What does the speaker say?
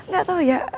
gak tau ya